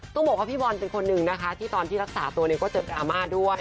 ต้องบอกว่าพี่บอลเป็นคนหนึ่งนะคะที่ตอนที่รักษาตัวเนี่ยก็เจออาม่าด้วย